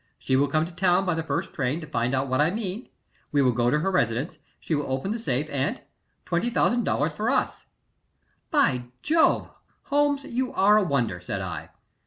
"She will come to town by the first train to find out what I mean; we will go to her residence; she will open the safe, and $20,000 for us." "By Jove! Holmes, you are a wonder," said I.